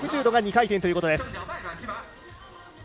３６０度が２回転ということです。